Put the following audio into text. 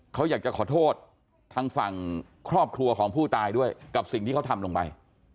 เขาอยากจะขอโทษทางฝั่งครอบครัวของผู้ตายด้วยกับสิ่งที่เขาทำลงไป